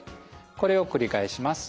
これを繰り返します。